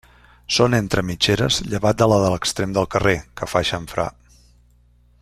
Són entre mitgeres llevat de la de l'extrem del carrer, que fa xamfrà.